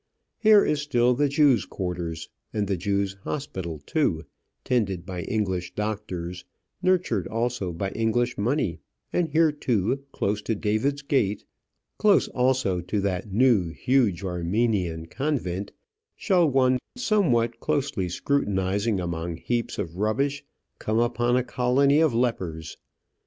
Here is still the Jews' quarters, and the Jews' hospital too, tended by English doctors, nurtured also by English money; and here, too, close to David's Gate, close also to that new huge Armenian convent, shall one, somewhat closely scrutinizing among heaps of rubbish, come upon a colony of lepers.